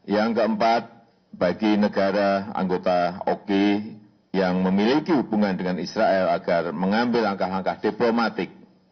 yang keempat bagi negara anggota oki yang memiliki hubungan dengan israel agar mengambil langkah langkah diplomatik